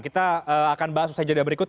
kita akan bahas usai jadwal berikut